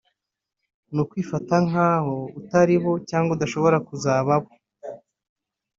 Ni ukutifata nk’abo utari bo cyangwa udashobora kuzaba bo